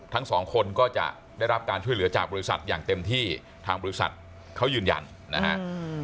ทั้งสองคนก็จะได้รับการช่วยเหลือจากบริษัทอย่างเต็มที่ทางบริษัทเขายืนยันนะฮะ